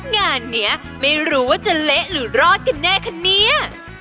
งานนี้ไม่รู้ว่าจะเละหรือรอดกันแน่คะเนี่ย